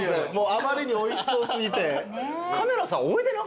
あまりにおいしそう過ぎて。